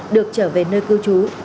được trở về nơi cư trú